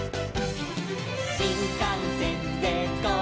「しんかんせんでゴー！